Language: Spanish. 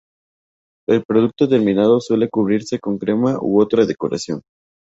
El producto terminado suele cubrirse con crema u otra decoración.